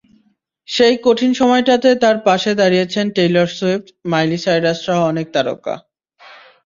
সেই কঠিন সময়টাতে তাঁর পাশে দাঁড়িয়েছেন টেইলর সুইফট, মাইলি সাইরাসসহ অনেক তারকা।